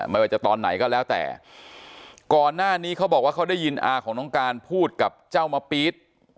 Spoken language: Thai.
ไม่ว่าจะตอนไหนก็แล้วแต่ก่อนหน้านี้เขาบอกว่าเขาได้ยินอาของน้องการพูดกับเจ้ามะปี๊ด